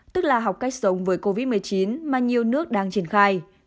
tức là học cách sống với covid một mươi chín mà nhiều nước đang triển khai